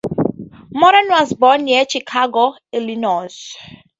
Moran was born near Chicago, Illinois.